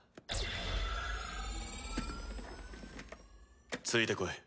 タッついてこい。